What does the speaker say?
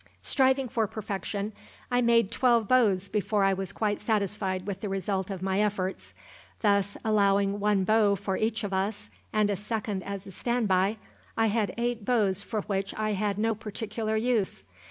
Striving for perfection, I made twelve bows before I was quite satisfied with the result of my efforts. Thus, allowing one bow for each of us, and a second as a stand by, I had eight bows for which I had no particular use.